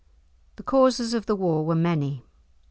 The causes of the war were many.